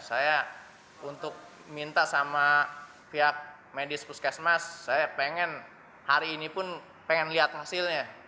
saya untuk minta sama pihak medis puskesmas saya pengen hari ini pun pengen lihat hasilnya